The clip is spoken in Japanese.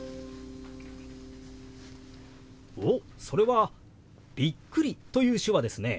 おっそれは「びっくり」という手話ですね。